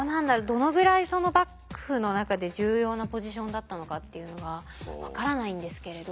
どのぐらい幕府の中で重要なポジションだったのかっていうのが分からないんですけれど。